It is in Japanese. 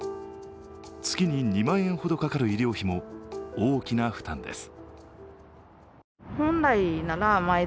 月に２万円ほどかかる医療費も大きな負担です。